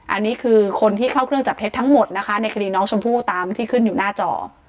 อันนี้คือคนที่เข้าเครื่องจับเท็จทั้งหมดนะคะในคดีน้องชมพู่ตามที่ขึ้นอยู่หน้าจอ